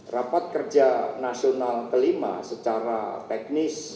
rapat kerja nasional kelima secara teknis